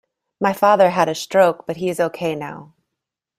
My father had a stroke, but he is ok now.